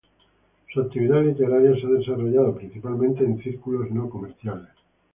Su actividad literaria se ha desarrollado principalmente en círculos no comerciales.